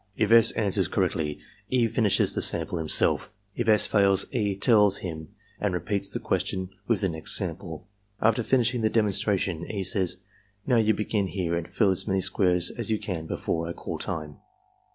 If S. answers correctly, E. finishes the samples himself; if S. fails, E. tells him and repeats the question with the next sample. After finishing the demonstration, E. says: ''Now, you begin here arid fill as many squares as you can before I caU time.''